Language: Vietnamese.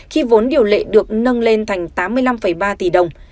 khi vốn điều lệ được nâng lên thành tám mươi năm ba tỷ đồng